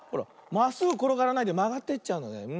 まっすぐころがらないでまがっていっちゃうんだね。